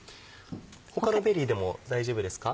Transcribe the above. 他のベリーでも大丈夫ですか？